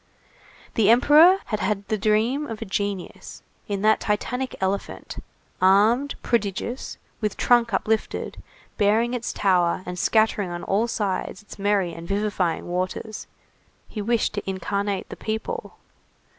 The Emperor had had the dream of a genius; in that Titanic elephant, armed, prodigious, with trunk uplifted, bearing its tower and scattering on all sides its merry and vivifying waters, he wished to incarnate the people.